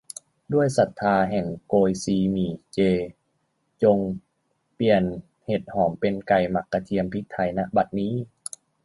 ด้วยศรัทธาแห่งโกยซีหมี่เจ จงเปลี่ยนเห็ดหอมเป็นไก่หมักกระเทียมพริกไทย ณ บัดนี้